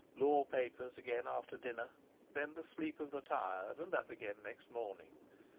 Law papers again after dinner, then the sleep of the tired, and up again next morning.